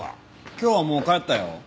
今日はもう帰ったよ。